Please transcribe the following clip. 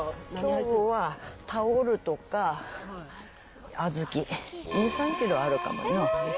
きょうはタオルとか小豆、２、３キロあるかもな。